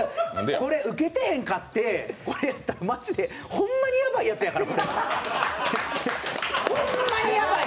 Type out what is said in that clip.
これ、ウケてへんかって、これやったらホンマにやばいやつやから。